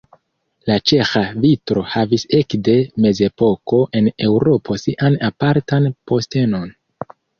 La ĉeĥa vitro havis ekde mezepoko en Eŭropo sian apartan postenon.